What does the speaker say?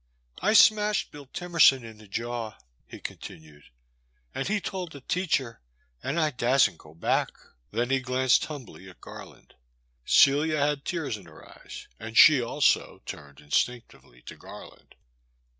I smashed Bill Timerson in the jaw,*' he continued, and he told the teacher, and I dasn't go back.'* Then he glanced humbly at Garland. Celia had tears in her eyes, and she also turned instinctively to Garland.